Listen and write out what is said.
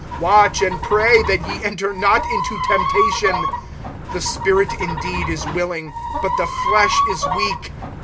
(38)Watch and pray, that ye enter not into temptation. The spirit indeed is willing, but the flesh is weak.